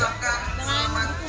dan menjaga kepadanya